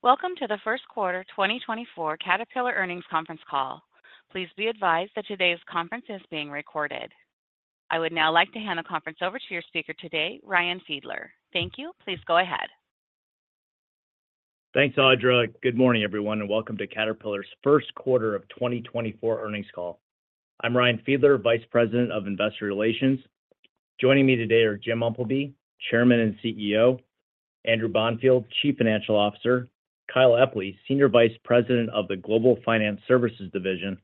Welcome to the first quarter 2024 Caterpillar Earnings Conference call. Please be advised that today's conference is being recorded. I would now like to hand the conference over to your speaker today, Ryan Fiedler. Thank you. Please go ahead. Thanks, Audra. Good morning, everyone, and welcome to Caterpillar's first quarter of 2024 earnings call. I'm Ryan Fiedler, Vice President of Investor Relations. Joining me today are Jim Umpleby, Chairman and CEO; Andrew Bonfield, Chief Financial Officer; Kyle Epley, Senior Vice President of the Global Finance Services Division;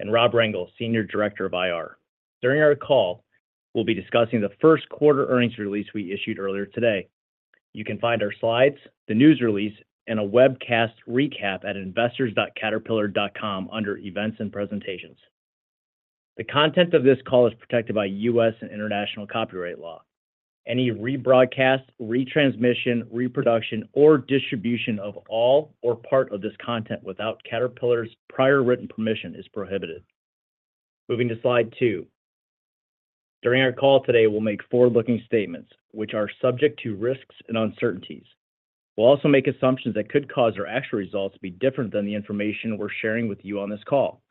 and Rob Rengel, Senior Director of IR. During our call, we'll be discussing the first quarter earnings release we issued earlier today. You can find our slides, the news release, and a webcast recap at investors.caterpillar.com under Events and Presentations. The content of this call is protected by U.S. and international copyright law. Any rebroadcast, retransmission, reproduction, or distribution of all or part of this content without Caterpillar's prior written permission is prohibited. Moving to slide two. During our call today, we'll make forward-looking statements, which are subject to risks and uncertainties. We'll also make assumptions that could cause our actual results to be different than the information we're sharing with you on this call.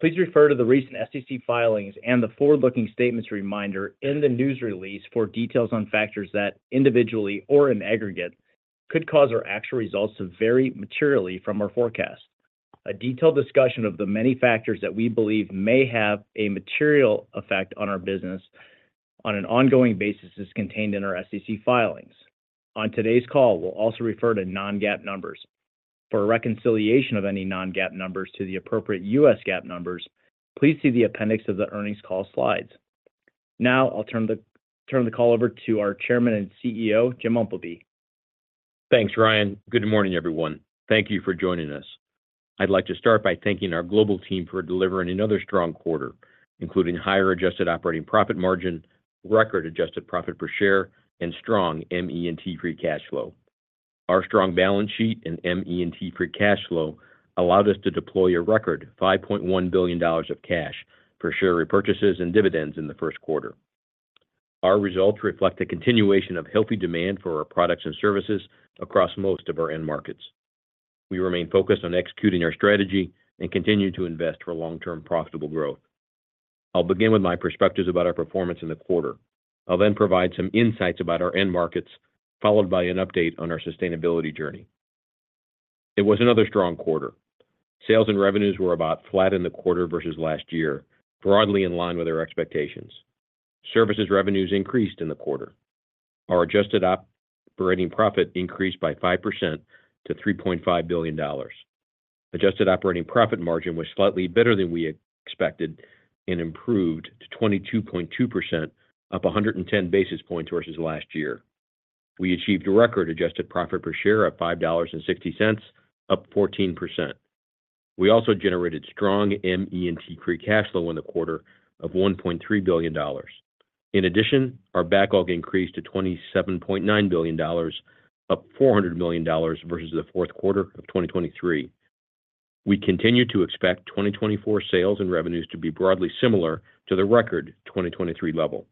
Please refer to the recent SEC filings and the forward-looking statements reminder in the news release for details on factors that, individually or in aggregate, could cause our actual results to vary materially from our forecast. A detailed discussion of the many factors that we believe may have a material effect on our business on an ongoing basis is contained in our SEC filings. On today's call, we'll also refer to non-GAAP numbers. For a reconciliation of any non-GAAP numbers to the appropriate U.S. GAAP numbers, please see the appendix of the earnings call slides. Now I'll turn the call over to our Chairman and CEO, Jim Umpleby. Thanks, Ryan. Good morning, everyone. Thank you for joining us. I'd like to start by thanking our global team for delivering another strong quarter, including higher Adjusted operating profit margin, record Adjusted profit per share, and strong ME&T free cash flow. Our strong balance sheet and ME&T free cash flow allowed us to deploy a record $5.1 billion of cash for share repurchases and dividends in the first quarter. Our results reflect a continuation of healthy demand for our products and services across most of our end markets. We remain focused on executing our strategy and continue to invest for long-term profitable growth. I'll begin with my perspectives about our performance in the quarter. I'll then provide some insights about our end markets, followed by an update on our sustainability journey. It was another strong quarter. Sales and revenues were about flat in the quarter versus last year, broadly in line with our expectations. Services revenues increased in the quarter. Our Adjusted operating profit increased by 5% to $3.5 billion. Adjusted operating profit margin was slightly better than we expected and improved to 22.2%, up 110 basis points versus last year. We achieved a record Adjusted profit per share of $5.60, up 14%. We also generated strong ME&T free cash flow in the quarter of $1.3 billion. In addition, our backlog increased to $27.9 billion, up $400 million versus the fourth quarter of 2023. We continue to expect 2024 sales and revenues to be broadly similar to the record 2023 level.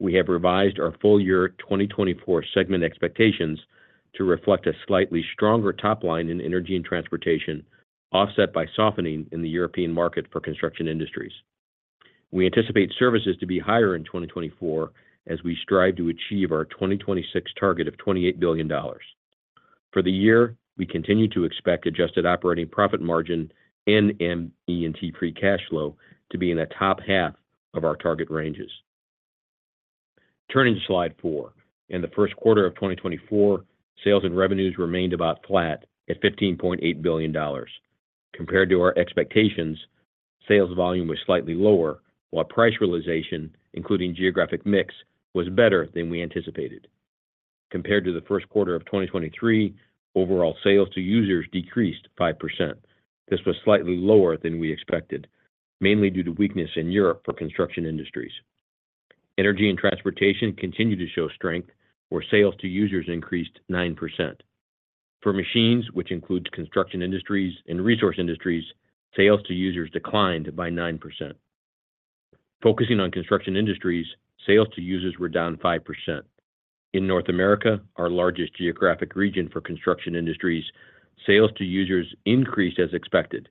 We have revised our full-year 2024 segment expectations to reflect a slightly stronger top line in energy and transportation, offset by softening in the European market for construction industries. We anticipate services to be higher in 2024 as we strive to achieve our 2026 target of $28 billion. For the year, we continue to expect Adjusted Operating Profit Margin and ME&T free cash flow to be in the top half of our target ranges. Turning to slide four. In the first quarter of 2024, sales and revenues remained about flat at $15.8 billion. Compared to our expectations, sales volume was slightly lower, while price realization, including geographic mix, was better than we anticipated. Compared to the first quarter of 2023, overall sales to users decreased 5%. This was slightly lower than we expected, mainly due to weakness in Europe for Construction Industries. Energy & Transportation continued to show strength, where sales to users increased 9%. For machines, which includes Construction Industries and Resource Industries, sales to users declined by 9%. Focusing on Construction Industries, sales to users were down 5%. In North America, our largest geographic region for construction industries, sales to users increased as expected,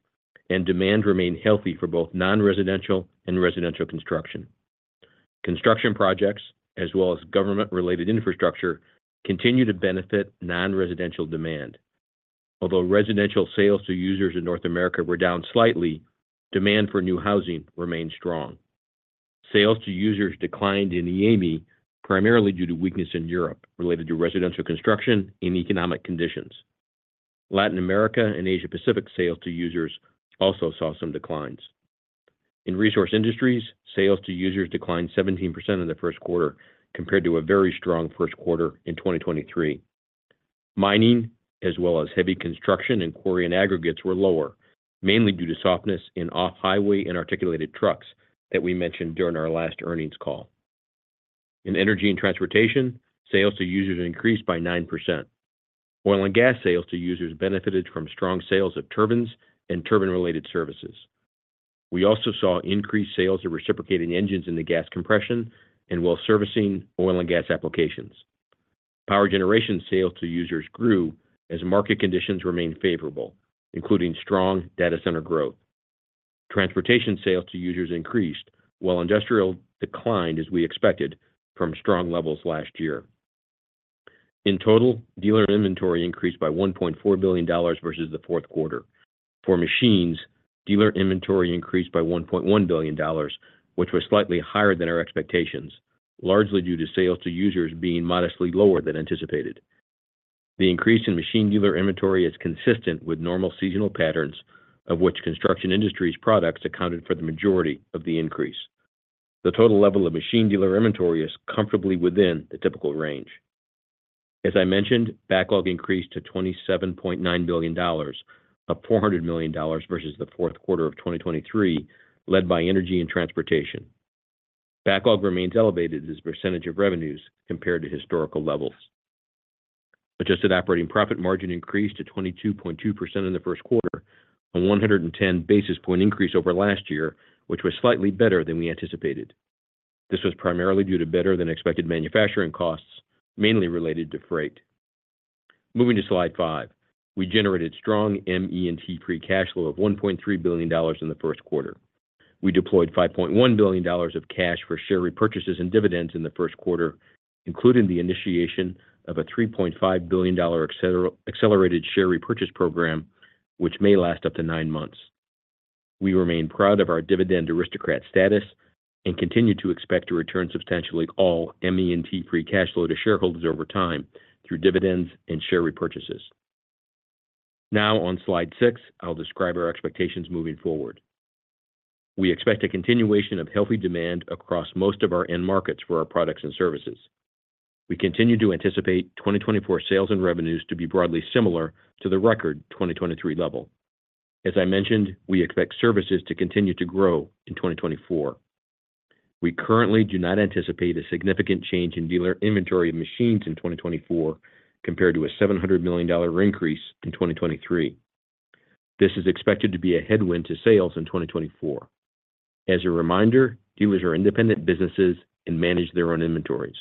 and demand remained healthy for both non-residential and residential construction. Construction projects, as well as government-related infrastructure, continue to benefit non-residential demand. Although residential sales to users in North America were down slightly, demand for new housing remained strong. Sales to users declined in EAME, primarily due to weakness in Europe related to residential construction and economic conditions. Latin America and Asia-Pacific sales to users also saw some declines. In resource industries, sales to users declined 17% in the first quarter compared to a very strong first quarter in 2023. Mining, as well as heavy construction and quarry and aggregates, were lower, mainly due to softness in off-highway and articulated trucks that we mentioned during our last earnings call. In energy and transportation, sales to users increased by 9%. Oil and gas sales to users benefited from strong sales of turbines and turbine-related services. We also saw increased sales of reciprocating engines in the gas compression and well servicing oil and gas applications. Power generation sales to users grew as market conditions remained favorable, including strong data center growth. Transportation sales to users increased, while industrial declined, as we expected, from strong levels last year. In total, dealer inventory increased by $1.4 billion versus the fourth quarter. For machines, dealer inventory increased by $1.1 billion, which was slightly higher than our expectations, largely due to sales to users being modestly lower than anticipated. The increase in machine dealer inventory is consistent with normal seasonal patterns, of which construction industries' products accounted for the majority of the increase. The total level of machine dealer inventory is comfortably within the typical range. As I mentioned, backlog increased to $27.9 billion, up $400 million versus the fourth quarter of 2023, led by energy and transportation. Backlog remains elevated as a percentage of revenues compared to historical levels. Adjusted operating profit margin increased to 22.2% in the first quarter, a 110 basis point increase over last year, which was slightly better than we anticipated. This was primarily due to better-than-expected manufacturing costs, mainly related to freight. Moving to slide five. We generated strong ME&T free cash flow of $1.3 billion in the first quarter. We deployed $5.1 billion of cash for share repurchases and dividends in the first quarter, including the initiation of a $3.5 billion accelerated share repurchase program, which may last up to nine months. We remain proud of our dividend aristocrat status and continue to expect to return substantially all ME&T free cash flow to shareholders over time through dividends and share repurchases. Now, on slide six, I'll describe our expectations moving forward. We expect a continuation of healthy demand across most of our end markets for our products and services. We continue to anticipate 2024 sales and revenues to be broadly similar to the record 2023 level. As I mentioned, we expect services to continue to grow in 2024. We currently do not anticipate a significant change in dealer inventory of machines in 2024 compared to a $700 million increase in 2023. This is expected to be a headwind to sales in 2024. As a reminder, dealers are independent businesses and manage their own inventories.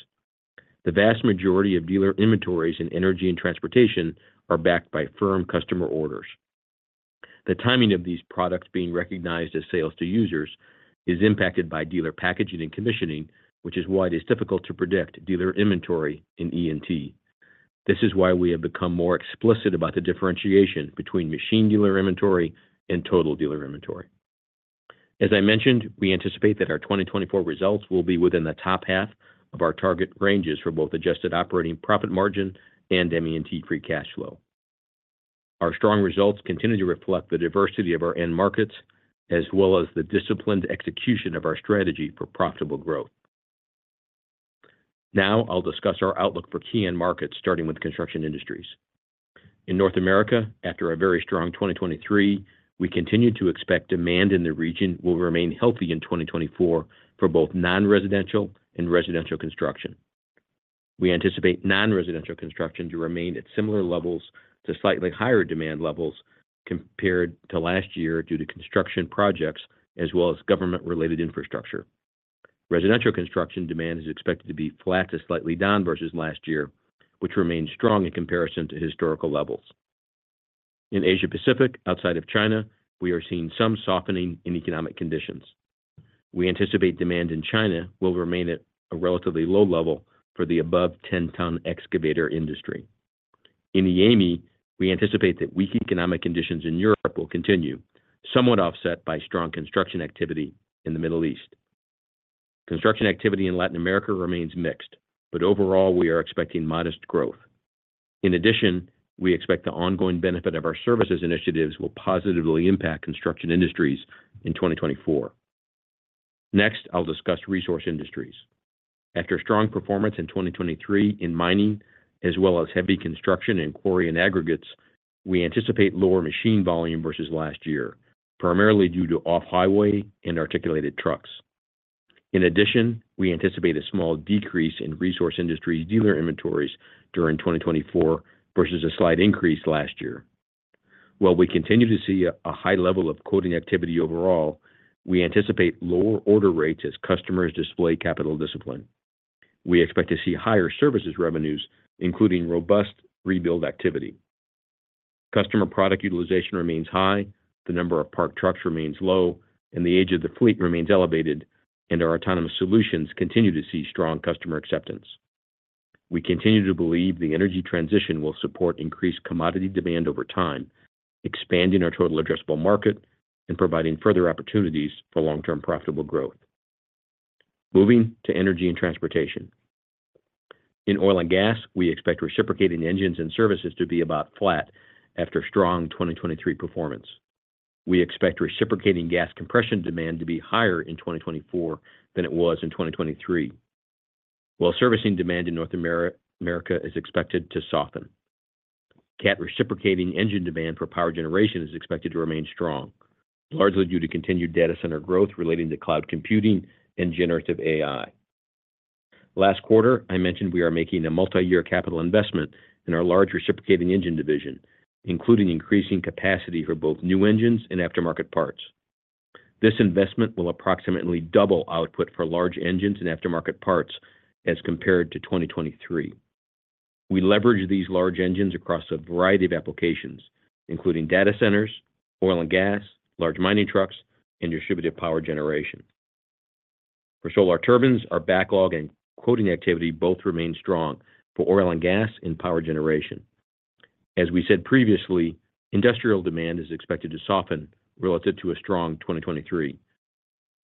The vast majority of dealer inventories in energy and transportation are backed by firm customer orders. The timing of these products being recognized as sales to users is impacted by dealer packaging and commissioning, which is why it is difficult to predict dealer inventory in E&T. This is why we have become more explicit about the differentiation between machine dealer inventory and total dealer inventory. As I mentioned, we anticipate that our 2024 results will be within the top half of our target ranges for both Adjusted Operating Profit Margin and ME&T free cash flow. Our strong results continue to reflect the diversity of our end markets, as well as the disciplined execution of our strategy for profitable growth. Now I'll discuss our outlook for key end markets, starting with Construction Industries. In North America, after a very strong 2023, we continue to expect demand in the region will remain healthy in 2024 for both non-residential and residential construction. We anticipate non-residential construction to remain at similar levels to slightly higher demand levels compared to last year due to construction projects, as well as government-related infrastructure. Residential construction demand is expected to be flat to slightly down versus last year, which remains strong in comparison to historical levels. In Asia-Pacific, outside of China, we are seeing some softening in economic conditions. We anticipate demand in China will remain at a relatively low level for the above-10-ton excavator industry. In EAME, we anticipate that weak economic conditions in Europe will continue, somewhat offset by strong construction activity in the Middle East. Construction activity in Latin America remains mixed, but overall we are expecting modest growth. In addition, we expect the ongoing benefit of our services initiatives will positively impact construction industries in 2024. Next, I'll discuss resource industries. After strong performance in 2023 in mining, as well as heavy construction and quarry and aggregates, we anticipate lower machine volume versus last year, primarily due to off-highway and articulated trucks. In addition, we anticipate a small decrease in Resource Industries dealer inventories during 2024 versus a slight increase last year. While we continue to see a high level of quoting activity overall, we anticipate lower order rates as customers display capital discipline. We expect to see higher services revenues, including robust rebuild activity. Customer product utilization remains high, the number of parked trucks remains low, and the age of the fleet remains elevated, and our autonomous solutions continue to see strong customer acceptance. We continue to believe the energy transition will support increased commodity demand over time, expanding our total addressable market and providing further opportunities for long-term profitable growth. Moving to Energy and Transportation. In oil and gas, we expect reciprocating engines and services to be about flat after strong 2023 performance. We expect reciprocating gas compression demand to be higher in 2024 than it was in 2023, while servicing demand in North America is expected to soften. Reciprocating engine demand for power generation is expected to remain strong, largely due to continued data center growth relating to Cloud Computing and Generative AI. Last quarter, I mentioned we are making a multi-year capital investment in our large reciprocating engine division, including increasing capacity for both new engines and aftermarket parts. This investment will approximately double output for large engines and aftermarket parts as compared to 2023. We leverage these large engines across a variety of applications, including data centers, oil and gas, large mining trucks, and distributive power generation. For Solar Turbines, our backlog and quoting activity both remain strong for oil and gas and power generation. As we said previously, industrial demand is expected to soften relative to a strong 2023.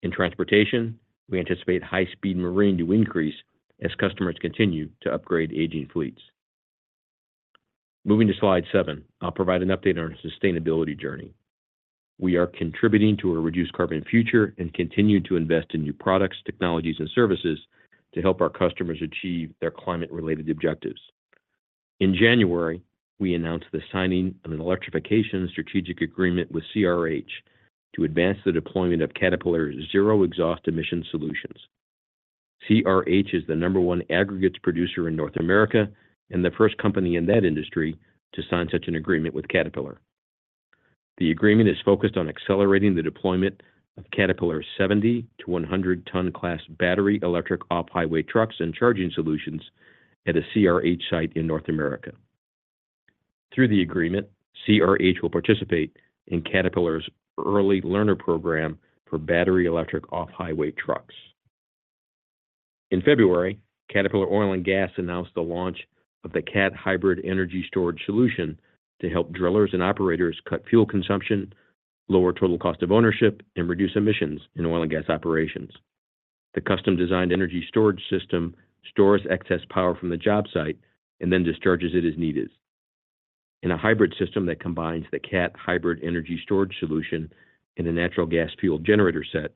In transportation, we anticipate high-speed marine new increase as customers continue to upgrade aging fleets. Moving to slide seven. I'll provide an update on our sustainability journey. We are contributing to a reduced carbon future and continue to invest in new products, technologies, and services to help our customers achieve their climate-related objectives. In January, we announced the signing of an electrification strategic agreement with CRH to advance the deployment of Caterpillar's zero-exhaust emission solutions. CRH is the number one aggregates producer in North America and the first company in that industry to sign such an agreement with Caterpillar. The agreement is focused on accelerating the deployment of Caterpillar's 70-100-ton class battery electric off-highway trucks and charging solutions at a CRH site in North America. Through the agreement, CRH will participate in Caterpillar's early learner program for battery electric off-highway trucks. In February, Caterpillar Oil and Gas announced the launch of the Cat Hybrid Energy Storage Solution to help drillers and operators cut fuel consumption, lower total cost of ownership, and reduce emissions in oil and gas operations. The custom-designed energy storage system stores excess power from the job site and then discharges it as needed. In a hybrid system that combines the Cat Hybrid Energy Storage Solution and a natural gas fuel generator set,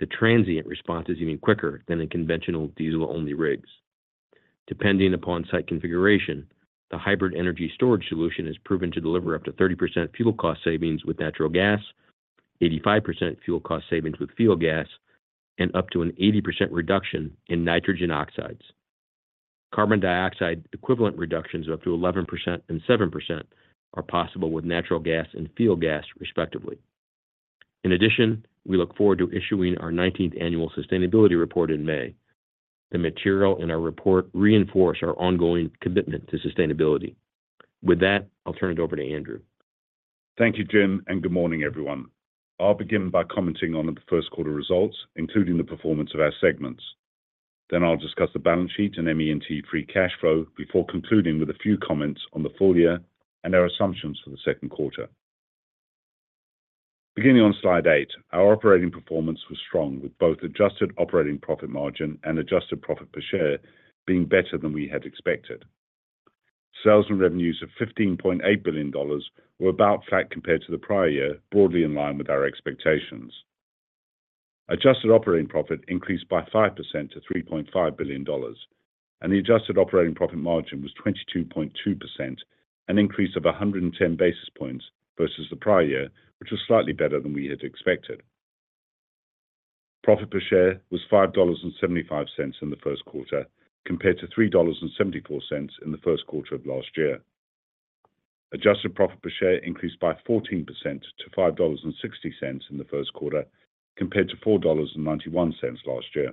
the transient response is even quicker than in conventional diesel-only rigs. Depending upon site configuration, the hybrid energy storage solution has proven to deliver up to 30% fuel cost savings with natural gas, 85% fuel cost savings with fuel gas, and up to an 80% reduction in nitrogen oxides. Carbon dioxide equivalent reductions of up to 11% and 7% are possible with natural gas and fuel gas, respectively. In addition, we look forward to issuing our 19th annual sustainability report in May. The material in our report reinforces our ongoing commitment to sustainability. With that, I'll turn it over to Andrew. Thank you, Jim, and good morning, everyone. I'll begin by commenting on the first quarter results, including the performance of our segments. Then I'll discuss the balance sheet and ME&T free cash flow before concluding with a few comments on the full year and our assumptions for the second quarter. Beginning on slide eight, our operating performance was strong, with both Adjusted operating profit margin and Adjusted profit per share being better than we had expected. Sales and revenues of $15.8 billion were about flat compared to the prior year, broadly in line with our expectations. Adjusted operating profit increased by 5% to $3.5 billion, and the Adjusted operating profit margin was 22.2%, an increase of 110 basis points versus the prior year, which was slightly better than we had expected. Profit per share was $5.75 in the first quarter compared to $3.74 in the first quarter of last year. Adjusted profit per share increased by 14% to $5.60 in the first quarter compared to $4.91 last year.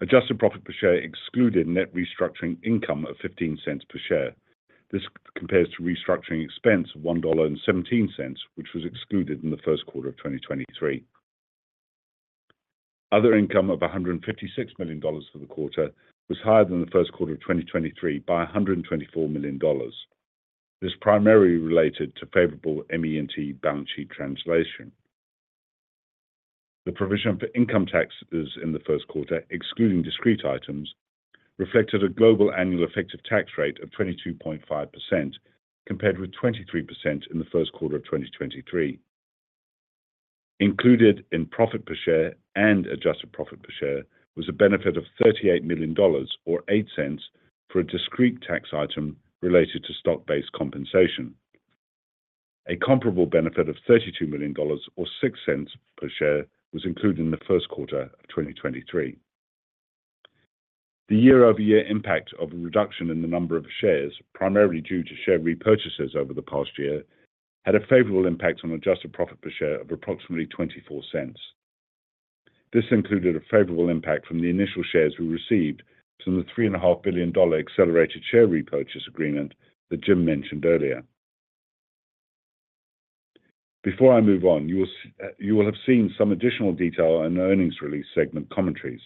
Adjusted profit per share excluded net restructuring income of $0.15 per share. This compares to restructuring expense of $1.17, which was excluded in the first quarter of 2023. Other income of $156 million for the quarter was higher than the first quarter of 2023 by $124 million. This primarily related to favorable ME&T balance sheet translation. The provision for income taxes in the first quarter, excluding discrete items, reflected a global annual effective tax rate of 22.5% compared with 23% in the first quarter of 2023. Included in profit per share and Adjusted profit per share was a benefit of $38 million or $0.08 for a discrete tax item related to stock-based compensation. A comparable benefit of $32 million or $0.06 per share was included in the first quarter of 2023. The year-over-year impact of a reduction in the number of shares, primarily due to share repurchases over the past year, had a favorable impact on Adjusted profit per share of approximately $0.24. This included a favorable impact from the initial shares we received from the $3.5 billion accelerated share repurchase agreement that Jim mentioned earlier. Before I move on, you will have seen some additional detail in the earnings release segment commentaries.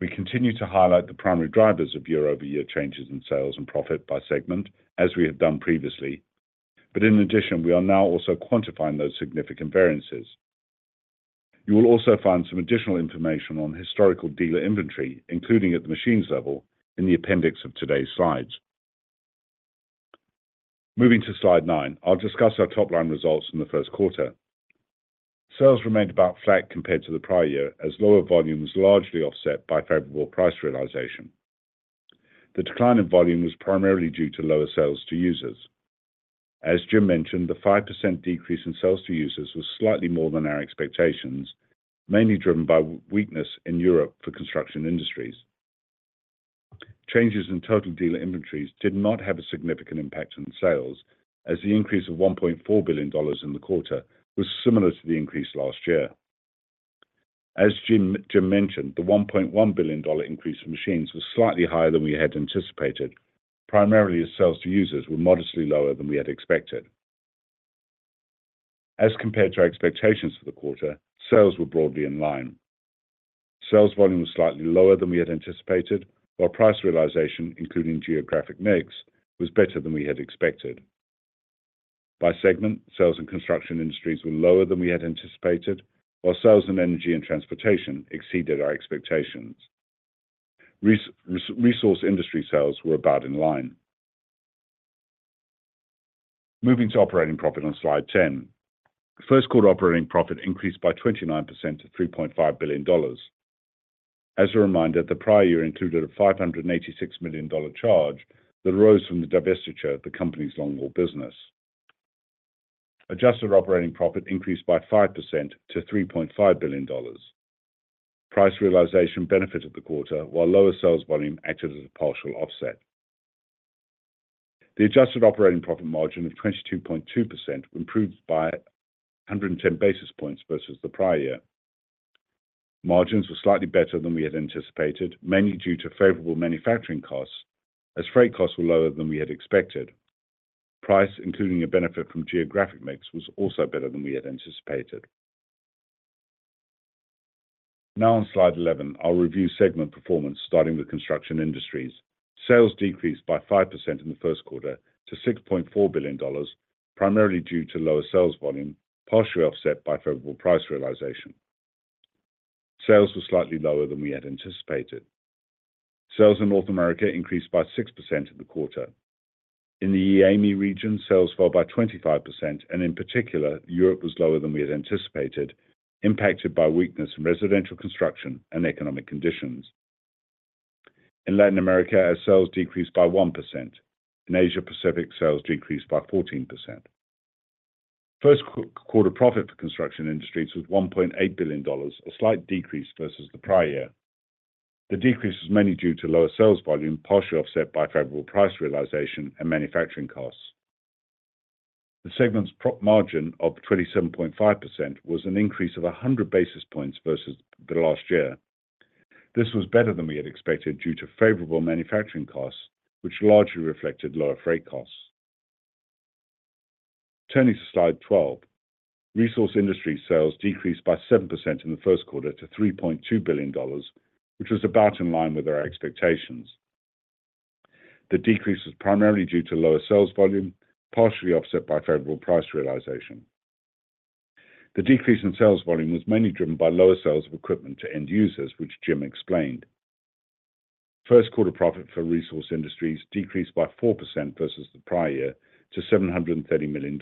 We continue to highlight the primary drivers of year-over-year changes in sales and profit by segment, as we have done previously, but in addition, we are now also quantifying those significant variances. You will also find some additional information on historical dealer inventory, including at the machines level, in the appendix of today's slides. Moving to slide nine, I'll discuss our top-line results in the first quarter. Sales remained about flat compared to the prior year as lower volume was largely offset by favorable price realization. The decline in volume was primarily due to lower sales to users. As Jim mentioned, the 5% decrease in sales to users was slightly more than our expectations, mainly driven by weakness in Europe for construction industries. Changes in total dealer inventories did not have a significant impact on sales, as the increase of $1.4 billion in the quarter was similar to the increase last year. As Jim mentioned, the $1.1 billion increase in machines was slightly higher than we had anticipated, primarily as sales to users were modestly lower than we had expected. As compared to our expectations for the quarter, sales were broadly in line. Sales volume was slightly lower than we had anticipated, while price realization, including geographic mix, was better than we had expected. By segment, sales in Construction Industries were lower than we had anticipated, while sales in Energy & Transportation exceeded our expectations. Resource Industries sales were about in line. Moving to operating profit on slide 10. First quarter operating profit increased by 29% to $3.5 billion. As a reminder, the prior year included a $586 million charge that arose from the divestiture, the company's long-haul business. Adjusted Operating Profit increased by 5% to $3.5 billion. Price realization benefited the quarter, while lower sales volume acted as a partial offset. The Adjusted Operating Profit Margin of 22.2% improved by 110 basis points versus the prior year. Margins were slightly better than we had anticipated, mainly due to favorable manufacturing costs, as freight costs were lower than we had expected. Price, including a benefit from geographic mix, was also better than we had anticipated. Now on slide 11, I'll review segment performance starting with Construction Industries. Sales decreased by 5% in the first quarter to $6.4 billion, primarily due to lower sales volume, partially offset by favorable price realization. Sales were slightly lower than we had anticipated. Sales in North America increased by 6% in the quarter. In the EAME region, sales fell by 25%, and in particular, Europe was lower than we had anticipated, impacted by weakness in residential construction and economic conditions. In Latin America, sales decreased by 1%. In Asia-Pacific, sales decreased by 14%. First quarter profit for construction industries was $1.8 billion, a slight decrease versus the prior year. The decrease was mainly due to lower sales volume, partially offset by favorable price realization and manufacturing costs. The segment's margin of 27.5% was an increase of 100 basis points versus the last year. This was better than we had expected due to favorable manufacturing costs, which largely reflected lower freight costs. Turning to slide 12. Resource Industries sales decreased by 7% in the first quarter to $3.2 billion, which was about in line with our expectations. The decrease was primarily due to lower sales volume, partially offset by favorable price realization. The decrease in sales volume was mainly driven by lower sales of equipment to end users, which Jim explained. First quarter profit for Resource Industries decreased by 4% versus the prior year to $730 million.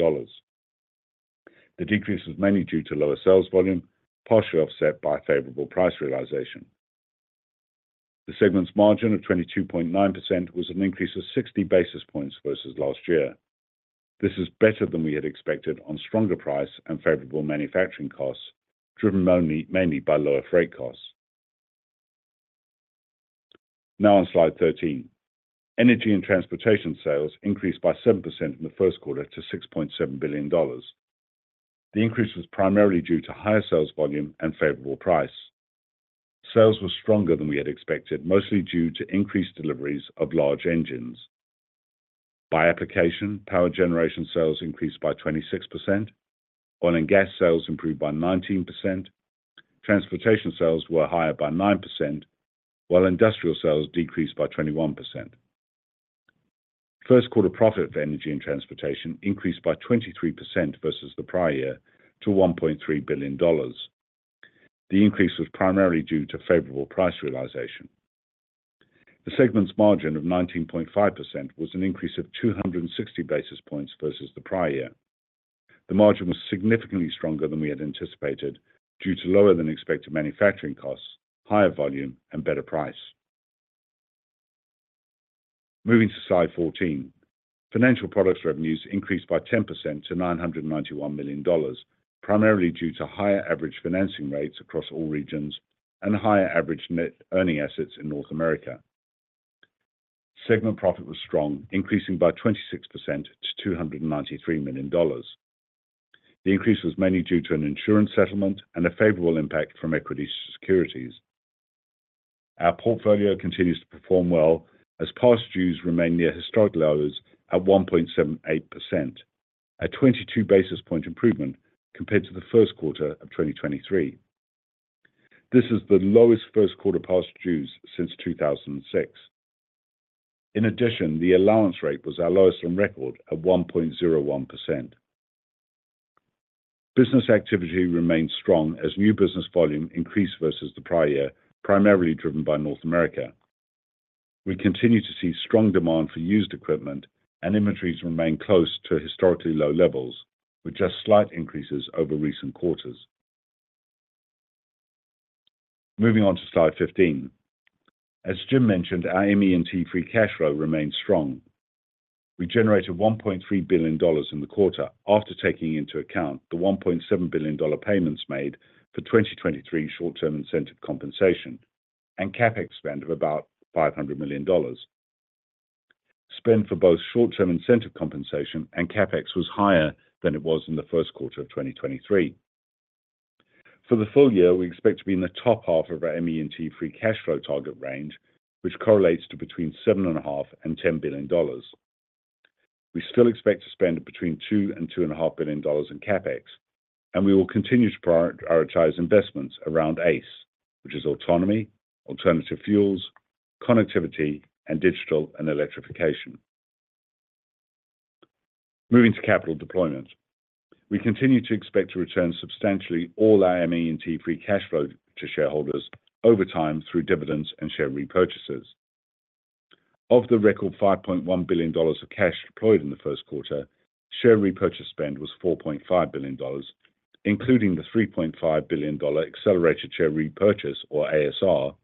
The decrease was mainly due to lower sales volume, partially offset by favorable price realization. The segment's margin of 22.9% was an increase of 60 basis points versus last year. This is better than we had expected on stronger price and favorable manufacturing costs, driven mainly by lower freight costs. Now on slide 13. Energy and Transportation sales increased by 7% in the first quarter to $6.7 billion. The increase was primarily due to higher sales volume and favorable price. Sales were stronger than we had expected, mostly due to increased deliveries of large engines. By application, power generation sales increased by 26%, oil and gas sales improved by 19%, transportation sales were higher by 9%, while industrial sales decreased by 21%. First quarter profit for energy and transportation increased by 23% versus the prior year to $1.3 billion. The increase was primarily due to favorable price realization. The segment's margin of 19.5% was an increase of 260 basis points versus the prior year. The margin was significantly stronger than we had anticipated due to lower-than-expected manufacturing costs, higher volume, and better price. Moving to slide 14. Financial products revenues increased by 10% to $991 million, primarily due to higher average financing rates across all regions and higher average net earning assets in North America. Segment profit was strong, increasing by 26% to $293 million. The increase was mainly due to an insurance settlement and a favorable impact from equity securities. Our portfolio continues to perform well as past dues remain near historic levels at 1.78%, a 22 basis point improvement compared to the first quarter of 2023. This is the lowest first quarter past dues since 2006. In addition, the allowance rate was our lowest on record at 1.01%. Business activity remains strong as new business volume increased versus the prior year, primarily driven by North America. We continue to see strong demand for used equipment, and inventories remain close to historically low levels, with just slight increases over recent quarters. Moving on to slide 15. As Jim mentioned, our ME&T free cash flow remained strong. We generated $1.3 billion in the quarter after taking into account the $1.7 billion payments made for 2023 short-term incentive compensation and CapEx spend of about $500 million. Spend for both short-term incentive compensation and CapEx was higher than it was in the first quarter of 2023. For the full year, we expect to be in the top half of our ME&T free cash flow target range, which correlates to between $7.5 billion-$10 billion. We still expect to spend between $2 billion-$2.5 billion in CapEx, and we will continue to prioritize investments around ACE, which is autonomy, alternative fuels, connectivity, and digital and electrification. Moving to capital deployment. We continue to expect to return substantially all our ME&T free cash flow to shareholders over time through dividends and share repurchases. Of the record $5.1 billion of cash deployed in the first quarter, share repurchase spend was $4.5 billion, including the $3.5 billion accelerated share repurchase, or ASR.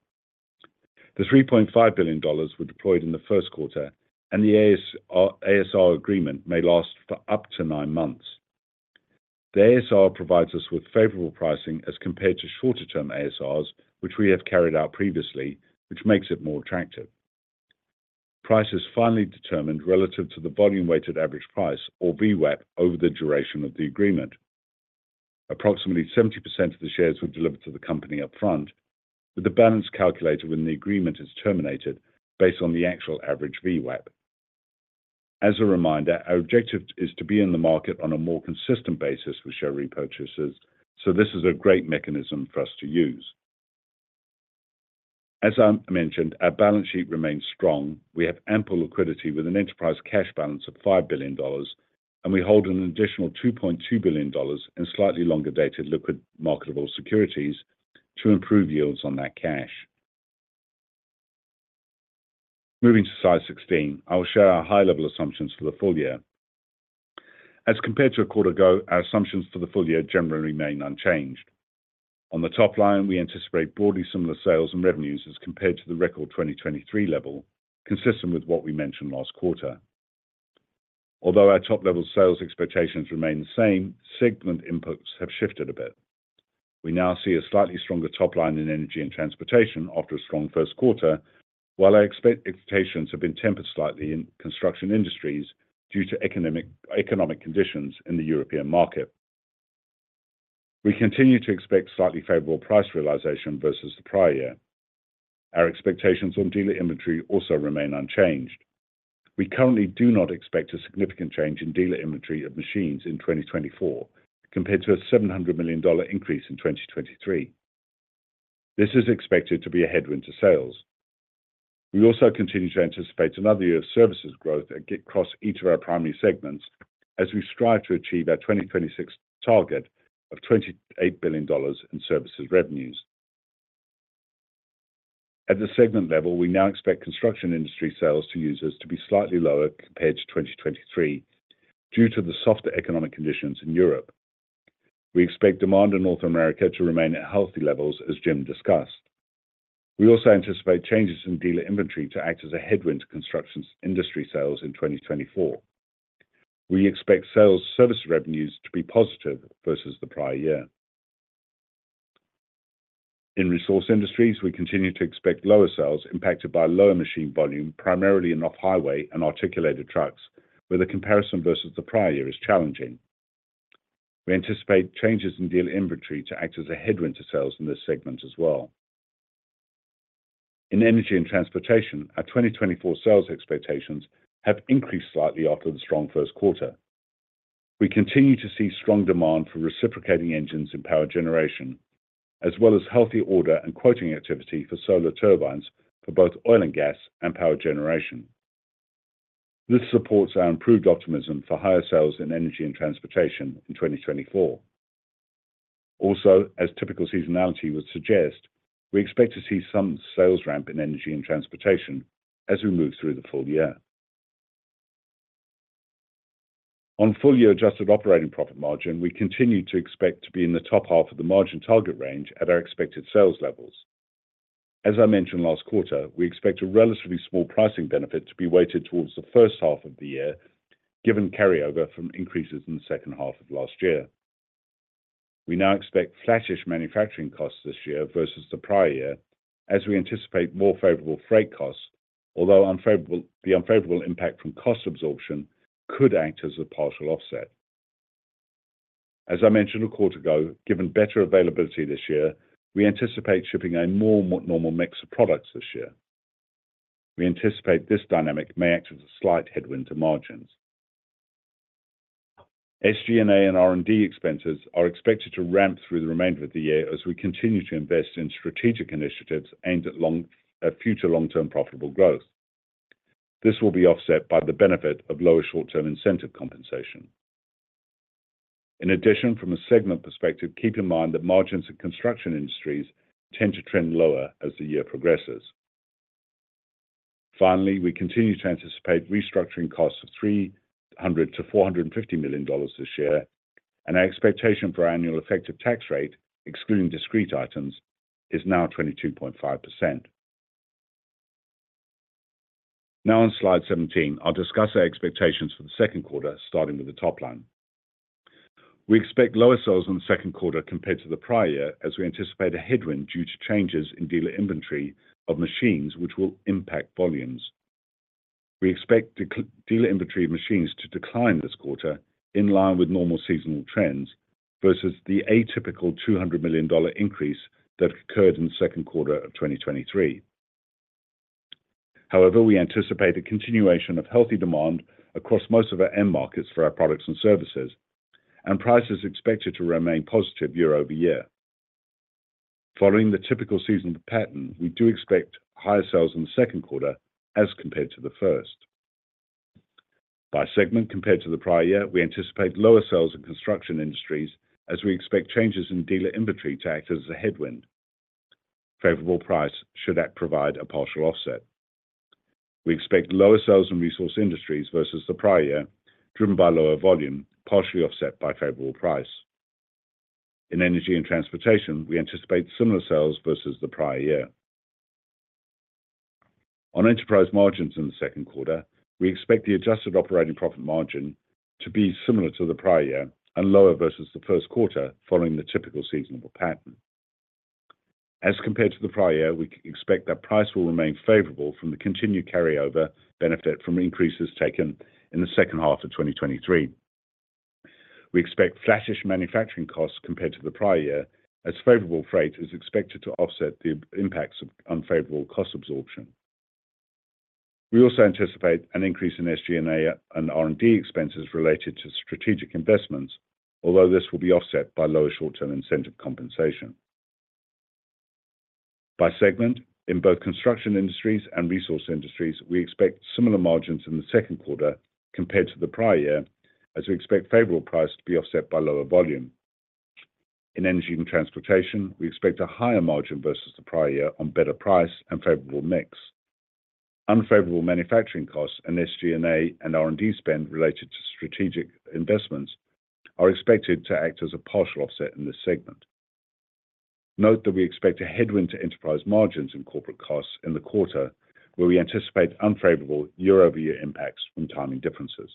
The $3.5 billion were deployed in the first quarter, and the ASR agreement may last for up to nine months. The ASR provides us with favorable pricing as compared to shorter-term ASRs, which we have carried out previously, which makes it more attractive. Price is finally determined relative to the volume-weighted average price, or VWAP, over the duration of the agreement. Approximately 70% of the shares were delivered to the company upfront, with the balance calculated when the agreement is terminated based on the actual average VWAP. As a reminder, our objective is to be in the market on a more consistent basis with share repurchases, so this is a great mechanism for us to use. As I mentioned, our balance sheet remains strong. We have ample liquidity with an enterprise cash balance of $5 billion, and we hold an additional $2.2 billion in slightly longer-dated liquid marketable securities to improve yields on that cash. Moving to slide 16, I will share our high-level assumptions for the full year. As compared to a quarter ago, our assumptions for the full year generally remain unchanged. On the top line, we anticipate broadly similar sales and revenues as compared to the record 2023 level, consistent with what we mentioned last quarter. Although our top-level sales expectations remain the same, segment inputs have shifted a bit. We now see a slightly stronger top line in energy and transportation after a strong first quarter, while our expectations have been tempered slightly in construction industries due to economic conditions in the European market. We continue to expect slightly favorable price realization versus the prior year. Our expectations on dealer inventory also remain unchanged. We currently do not expect a significant change in dealer inventory of machines in 2024 compared to a $700 million increase in 2023. This is expected to be a headwind to sales. We also continue to anticipate another year of services growth across each of our primary segments as we strive to achieve our 2026 target of $28 billion in services revenues. At the segment level, we now expect construction industry sales to users to be slightly lower compared to 2023 due to the softer economic conditions in Europe. We expect demand in North America to remain at healthy levels, as Jim discussed. We also anticipate changes in dealer inventory to act as a headwind to construction industry sales in 2024. We expect sales service revenues to be positive versus the prior year. In resource industries, we continue to expect lower sales impacted by lower machine volume, primarily in off-highway and articulated trucks, where the comparison versus the prior year is challenging. We anticipate changes in dealer inventory to act as a headwind to sales in this segment as well. In energy and transportation, our 2024 sales expectations have increased slightly after the strong first quarter. We continue to see strong demand for reciprocating engines in power generation, as well as healthy order and quoting activity for solar turbines for both oil and gas and power generation. This supports our improved optimism for higher sales in energy and transportation in 2024. Also, as typical seasonality would suggest, we expect to see some sales ramp in energy and transportation as we move through the full year. On full year Adjusted operating profit margin, we continue to expect to be in the top half of the margin target range at our expected sales levels. As I mentioned last quarter, we expect a relatively small pricing benefit to be weighted towards the first half of the year, given carryover from increases in the second half of last year. We now expect flatish manufacturing costs this year versus the prior year, as we anticipate more favorable freight costs, although the unfavorable impact from cost absorption could act as a partial offset. As I mentioned a quarter ago, given better availability this year, we anticipate shipping a more normal mix of products this year. We anticipate this dynamic may act as a slight headwind to margins. SG&A and R&D expenses are expected to ramp through the remainder of the year as we continue to invest in strategic initiatives aimed at future long-term profitable growth. This will be offset by the benefit of lower short-term incentive compensation. In addition, from a segment perspective, keep in mind that margins in construction industries tend to trend lower as the year progresses. Finally, we continue to anticipate restructuring costs of $300 million-$450 million this year, and our expectation for our annual effective tax rate, excluding discrete items, is now 22.5%. Now on slide 17, I'll discuss our expectations for the second quarter, starting with the top line. We expect lower sales in the second quarter compared to the prior year as we anticipate a headwind due to changes in dealer inventory of machines, which will impact volumes. We expect dealer inventory of machines to decline this quarter in line with normal seasonal trends versus the atypical $200 million increase that occurred in the second quarter of 2023. However, we anticipate a continuation of healthy demand across most of our end markets for our products and services, and prices expected to remain positive year over year. Following the typical seasonal pattern, we do expect higher sales in the second quarter as compared to the first. By segment compared to the prior year, we anticipate lower sales in Construction Industries as we expect changes in dealer inventory to act as a headwind. Favorable price should provide a partial offset. We expect lower sales in Resource Industries versus the prior year, driven by lower volume, partially offset by favorable price. In Energy and Transportation, we anticipate similar sales versus the prior year. On enterprise margins in the second quarter, we expect the Adjusted operating profit margin to be similar to the prior year and lower versus the first quarter following the typical seasonal pattern. As compared to the prior year, we expect that price will remain favorable from the continued carryover benefit from increases taken in the second half of 2023. We expect flatish manufacturing costs compared to the prior year as favorable freight is expected to offset the impacts of unfavorable cost absorption. We also anticipate an increase in SG&A and R&D expenses related to strategic investments, although this will be offset by lower short-term incentive compensation. By segment, in both construction industries and resource industries, we expect similar margins in the second quarter compared to the prior year as we expect favorable price to be offset by lower volume. In energy and transportation, we expect a higher margin versus the prior year on better price and favorable mix. Unfavorable manufacturing costs and SG&A and R&D spend related to strategic investments are expected to act as a partial offset in this segment. Note that we expect a headwind to enterprise margins and corporate costs in the quarter, where we anticipate unfavorable year-over-year impacts from timing differences.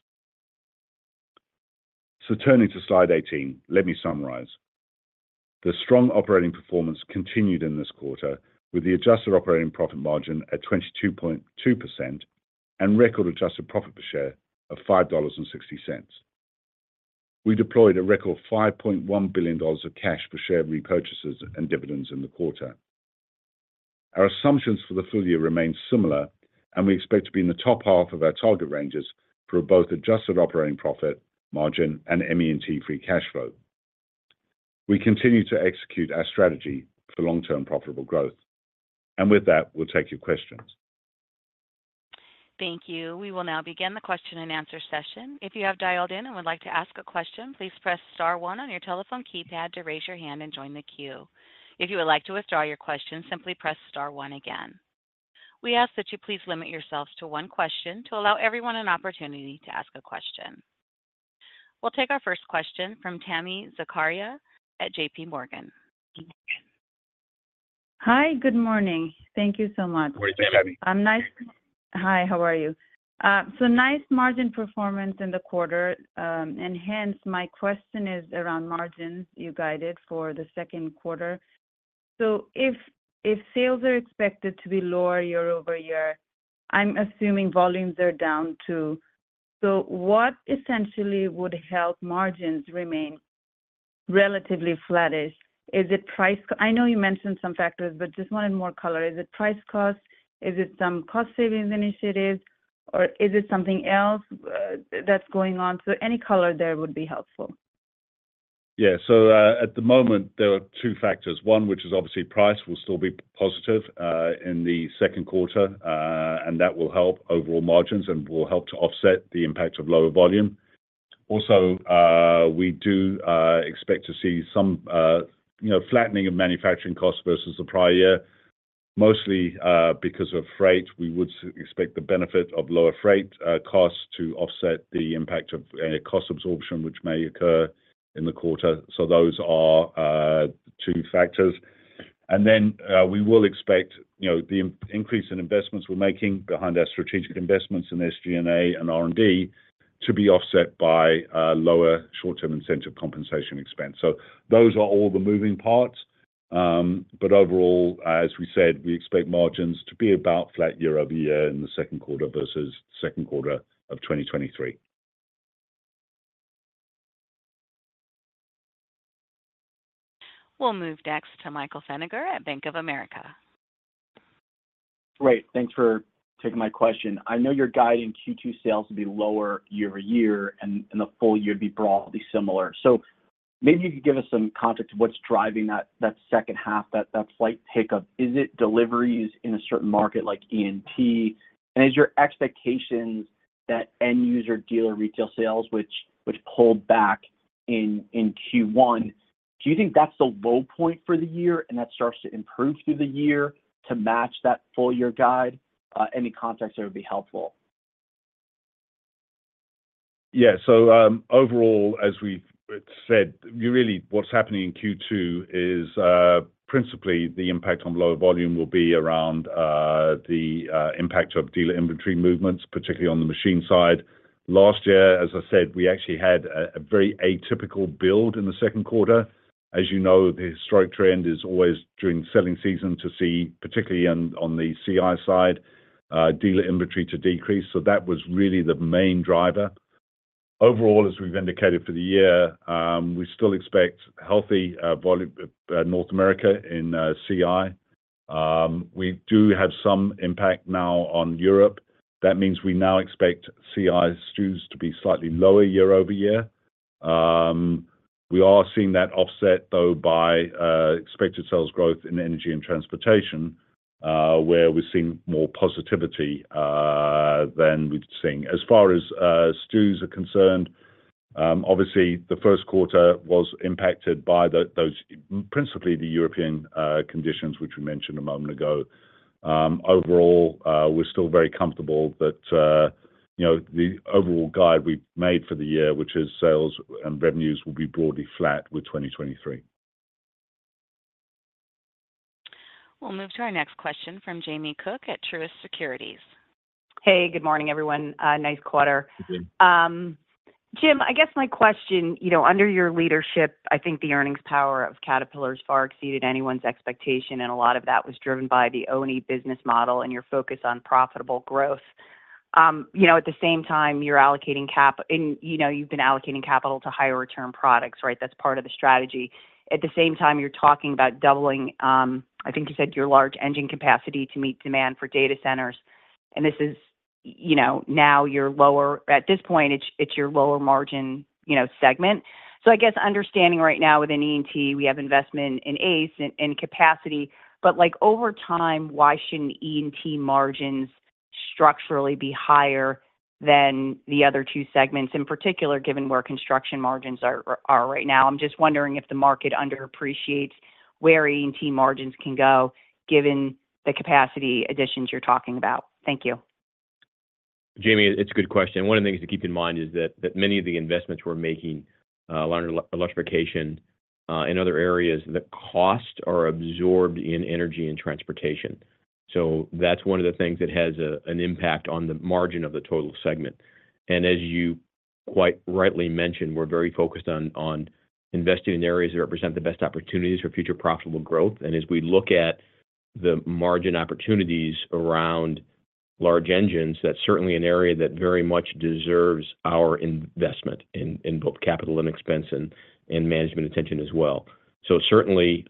So turning to slide 18, let me summarize. The strong operating performance continued in this quarter, with the Adjusted operating profit margin at 22.2% and record Adjusted profit per share of $5.60. We deployed a record $5.1 billion of cash per share repurchases and dividends in the quarter. Our assumptions for the full year remain similar, and we expect to be in the top half of our target ranges for both Adjusted operating profit margin and ME&T free cash flow. We continue to execute our strategy for long-term profitable growth. And with that, we'll take your questions. Thank you. We will now begin the question and answer session. If you have dialed in and would like to ask a question, please press star one on your telephone keypad to raise your hand and join the queue. If you would like to withdraw your question, simply press star one again. We ask that you please limit yourselves to one question to allow everyone an opportunity to ask a question. We'll take our first question from Tami Zakaria at JPMorgan. Hi, good morning. Thank you so much. Good morning, Tami. Hi, how are you? So nice margin performance in the quarter, and hence my question is around margins you guided for the second quarter. So if sales are expected to be lower year-over-year, I'm assuming volumes are down too. So what essentially would help margins remain relatively flatish? Is it price cost? I know you mentioned some factors, but just wanted more color. Is it price cost? Is it some cost savings initiative, or is it something else that's going on? So any color there would be helpful. Yeah, so at the moment, there are two factors. One, which is obviously price will still be positive in the second quarter, and that will help overall margins and will help to offset the impact of lower volume. Also, we do expect to see some flattening of manufacturing costs versus the prior year, mostly because of freight. We would expect the benefit of lower freight costs to offset the impact of cost absorption, which may occur in the quarter. So those are two factors. And then we will expect the increase in investments we're making behind our strategic investments in SG&A and R&D to be offset by lower short-term incentive compensation expense. So those are all the moving parts. But overall, as we said, we expect margins to be about flat year-over-year in the second quarter versus the second quarter of 2023. We'll move next to Michael Feniger at Bank of America. Great. Thanks for taking my question. I know you're guiding Q2 sales to be lower year over year, and the full year would be broadly similar. So maybe you could give us some context of what's driving that second half, that slight pickup. Is it deliveries in a certain market like E&T? And is your expectations that end-user dealer retail sales, which pulled back in Q1, do you think that's the low point for the year and that starts to improve through the year to match that full year guide? Any context that would be helpful. Yeah, so overall, as we've said, really, what's happening in Q2 is principally the impact on lower volume will be around the impact of dealer inventory movements, particularly on the machine side. Last year, as I said, we actually had a very atypical build in the second quarter. As you know, the historic trend is always during selling season to see, particularly on the CI side, dealer inventory to decrease. So that was really the main driver. Overall, as we've indicated for the year, we still expect healthy North America in CI. We do have some impact now on Europe. That means we now expect CI STUs to be slightly lower year-over-year. We are seeing that offset, though, by expected sales growth in energy and transportation, where we're seeing more positivity than we'd seen. As far as STUs are concerned, obviously, the first quarter was impacted by principally the European conditions, which we mentioned a moment ago. Overall, we're still very comfortable that the overall guide we've made for the year, which is sales and revenues, will be broadly flat with 2023. We'll move to our next question from Jamie Cook at Truist Securities. Hey, good morning, everyone. Nice quarter. Jim, I guess my question, under your leadership, I think the earnings power of Caterpillar has far exceeded anyone's expectation, and a lot of that was driven by the ONE business model and your focus on profitable growth. At the same time, you're allocating capital and you've been allocating capital to higher-return products, right? That's part of the strategy. At the same time, you're talking about doubling, I think you said, your large engine capacity to meet demand for data centers. And this is now your lower at this point, it's your lower margin segment. So I guess understanding right now within E&T, we have investment in ACE and capacity. But over time, why shouldn't E&T margins structurally be higher than the other two segments, in particular, given where construction margins are right now? I'm just wondering if the market underappreciates where E&T margins can go given the capacity additions you're talking about. Thank you. Jamie, it's a good question. One of the things to keep in mind is that many of the investments we're making along electrification in other areas, the costs are absorbed in energy and transportation. So that's one of the things that has an impact on the margin of the total segment. And as you quite rightly mentioned, we're very focused on investing in areas that represent the best opportunities for future profitable growth. And as we look at the margin opportunities around large engines, that's certainly an area that very much deserves our investment in both capital and expense and management attention as well. So certainly,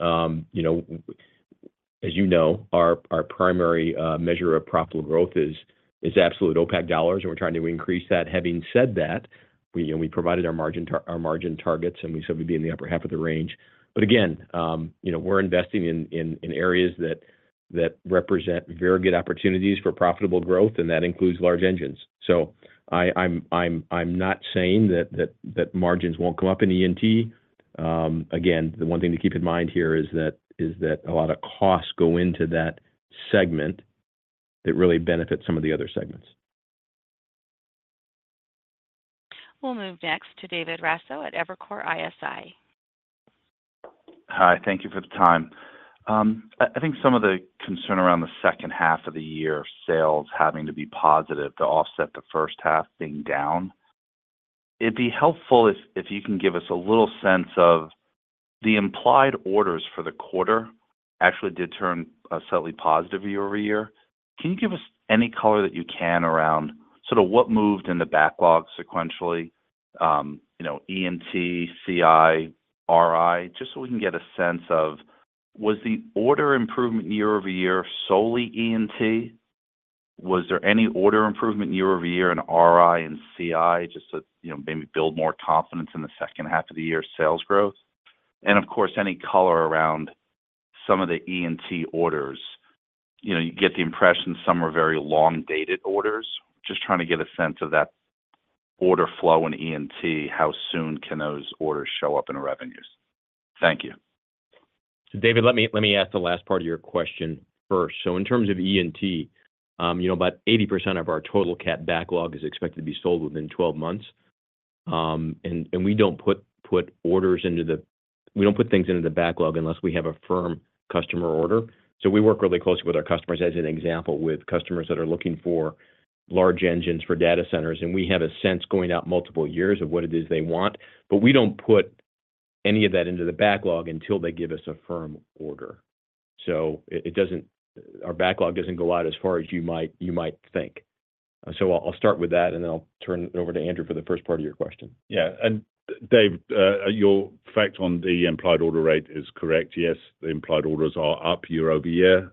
as you know, our primary measure of profitable growth is absolute OPACC dollars, and we're trying to increase that. Having said that, we provided our margin targets, and we said we'd be in the upper half of the range. But again, we're investing in areas that represent very good opportunities for profitable growth, and that includes large engines. So I'm not saying that margins won't come up in E&T. Again, the one thing to keep in mind here is that a lot of costs go into that segment that really benefit some of the other segments. We'll move next to David Raso at Evercore ISI. Hi, thank you for the time. I think some of the concern around the second half of the year, sales having to be positive to offset the first half being down. It'd be helpful if you can give us a little sense of the implied orders for the quarter actually did turn slightly positive year-over-year. Can you give us any color that you can around sort of what moved in the backlog sequentially, E&T, CI, RI, just so we can get a sense of was the order improvement year-over-year solely E&T? Was there any order improvement year-over-year in RI and CI just to maybe build more confidence in the second half of the year, sales growth? And of course, any color around some of the E&T orders. You get the impression some are very long-dated orders. Just trying to get a sense of that order flow in E&T, how soon can those orders show up in revenues? Thank you. So David, let me ask the last part of your question first. So in terms of E&T, about 80% of our total Cat backlog is expected to be sold within 12 months. And we don't put things into the backlog unless we have a firm customer order. So we work really closely with our customers, as an example, with customers that are looking for large engines for data centers. And we have a sense going out multiple years of what it is they want. But we don't put any of that into the backlog until they give us a firm order. So our backlog doesn't go out as far as you might think. So I'll start with that, and then I'll turn it over to Andrew for the first part of your question. Yeah. And David, your fact on the implied order rate is correct. Yes, the implied orders are up year-over-year.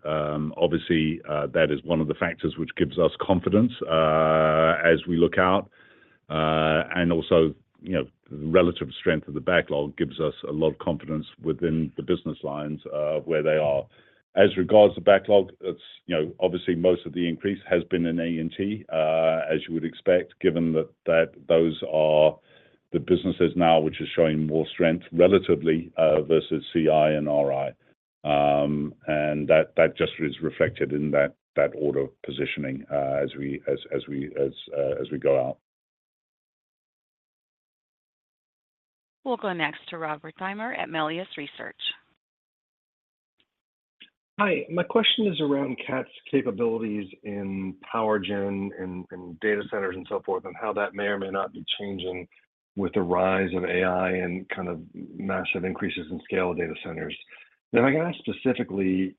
Obviously, that is one of the factors which gives us confidence as we look out. Also, the relative strength of the backlog gives us a lot of confidence within the business lines where they are. As regards to backlog, obviously, most of the increase has been in E&T, as you would expect, given that those are the businesses now which are showing more strength relatively versus CI and RI. And that just is reflected in that order positioning as we go out. We'll go next to Rob Wertheimer at Melius Research. Hi. My question is around CAT's capabilities in PowerGen and data centers and so forth, and how that may or may not be changing with the rise of AI and kind of massive increases in scale of data centers. And if I can ask specifically,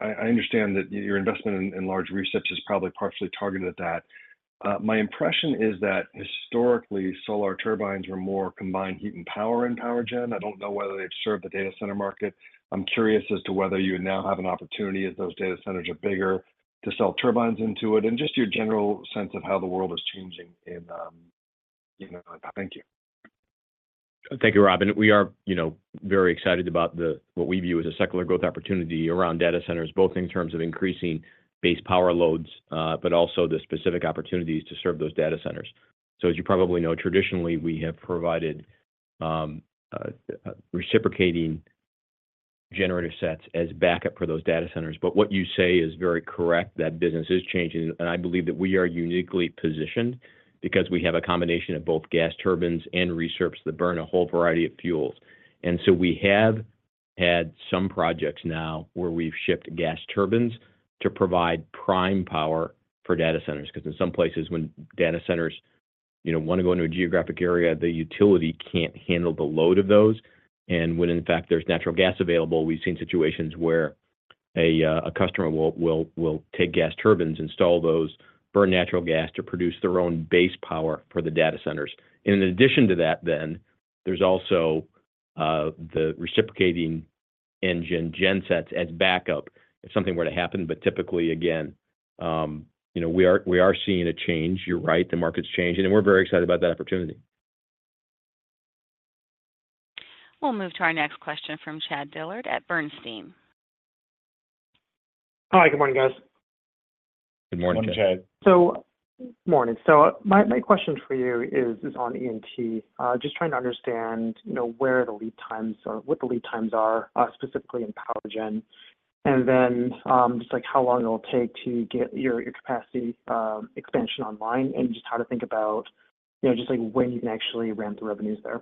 I understand that your investment in large recips is probably partially targeted at that. My impression is that historically, Solar Turbines were more combined heat and power in PowerGen. I don't know whether they've served the data center market. I'm curious as to whether you now have an opportunity, as those data centers are bigger, to sell turbines into it and just your general sense of how the world is changing in. Thank you. Thank you, Rob. We are very excited about what we view as a secular growth opportunity around data centers, both in terms of increasing base power loads, but also the specific opportunities to serve those data centers. So as you probably know, traditionally, we have provided reciprocating generator sets as backup for those data centers. But what you say is very correct. That business is changing. I believe that we are uniquely positioned because we have a combination of both gas turbines and recips that burn a whole variety of fuels. So we have had some projects now where we've shipped gas turbines to provide prime power for data centers. Because in some places, when data centers want to go into a geographic area, the utility can't handle the load of those. When, in fact, there's natural gas available, we've seen situations where a customer will take gas turbines, install those, burn natural gas to produce their own base power for the data centers. In addition to that, then, there's also the reciprocating engine gen sets as backup if something were to happen. But typically, again, we are seeing a change. You're right. The market's changing. We're very excited about that opportunity. We'll move to our next question from Chad Dillard at Bernstein. Hi, good morning, guys. Good morning, Chad. So good morning. So my question for you is on E&T. Just trying to understand where the lead times are specifically in PowerGen, and then just how long it'll take to get your capacity expansion online and just how to think about just when you can actually ramp the revenues there.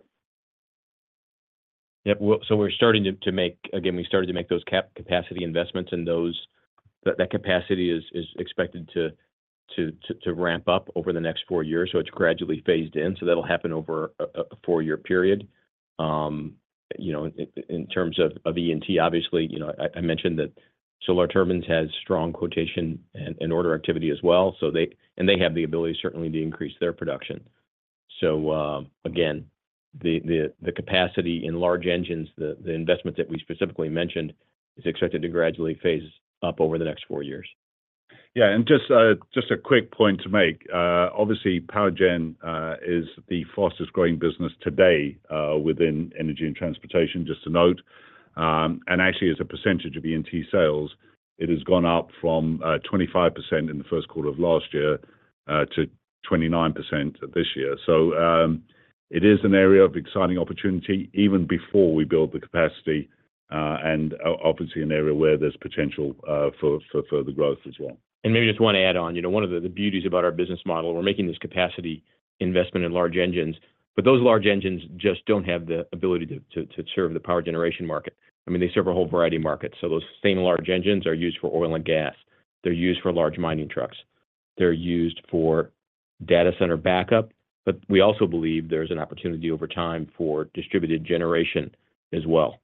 Yep. So we're starting to make again, we started to make those capacity investments, and that capacity is expected to ramp up over the next four years. So it's gradually phased in. So that'll happen over a four-year period. In terms of E&T, obviously, I mentioned that Solar Turbines have strong quotation and order activity as well. And they have the ability, certainly, to increase their production. So again, the capacity in large engines, the investment that we specifically mentioned, is expected to gradually phase up over the next four years. Yeah. And just a quick point to make. Obviously, PowerGen is the fastest-growing business today within energy and transportation, just to note. And actually, as a percentage of E&T sales, it has gone up from 25% in the first quarter of last year to 29% this year. So it is an area of exciting opportunity even before we build the capacity and obviously an area where there's potential for further growth as well. And maybe just one add-on. One of the beauties about our business model, we're making this capacity investment in large engines, but those large engines just don't have the ability to serve the power generation market. I mean, they serve a whole variety of markets. So those same large engines are used for oil and gas. They're used for large mining trucks. They're used for data center backup. But we also believe there's an opportunity over time for distributed generation as well.